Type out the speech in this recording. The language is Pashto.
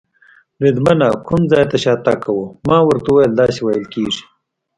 بریدمنه، کوم ځای ته شاتګ کوو؟ ما ورته وویل: داسې وېل کېږي.